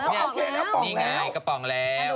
นี่นี่ไงกระป๋องแล้ว